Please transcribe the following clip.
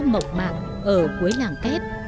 mộc mạc ở cuối làng kép